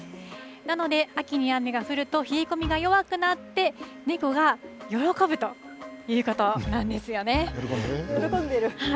なので、秋に雨が降ると冷え込みが弱くなって、猫が喜ぶというこ喜んでる。